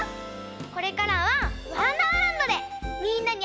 これからは「わんだーらんど」でみんなにあいにいくからね！